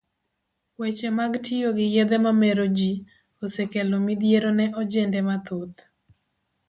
Weche mag tiyo gi yedhe mamero ji, osekelo midhiero ne ojende mathoth.